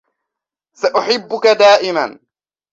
سأحبك دائمًا.